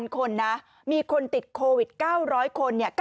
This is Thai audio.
๑๐๐๐คนมีคนติดโควิด๙๐๐คน